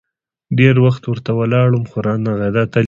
ډېر وخت ورته ولاړ وم ، خو رانه غی.